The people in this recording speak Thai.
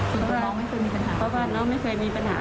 เพราะว่าน้องไม่เคยมีปัญหาใคร